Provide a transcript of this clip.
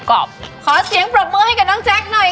ขอขอเสียงเกลาคำให้ที่หน้าแจ๊คหน่อยค่ะ